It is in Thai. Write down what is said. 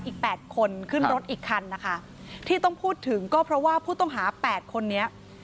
แปดคนขึ้นรถอีกคันนะคะที่ต้องพูดถึงก็เพราะว่าผู้ต้องหาแปดคนนี้